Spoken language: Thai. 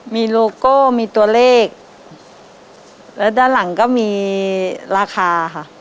มีโลโก้มีตัวเลขและด้านหลังก็มีราคาค่ะ